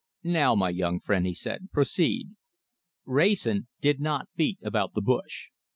"Now, my young friend," he said, "proceed." Wrayson did not beat about the bush.